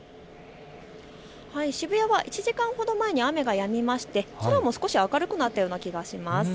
渋谷は１時間ほど前に雨がやみまして空も少し明るくなったような気がします。